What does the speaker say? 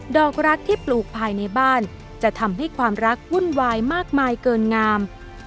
อกรักที่ปลูกภายในบ้านจะทำให้ความรักวุ่นวายมากมายเกินงาม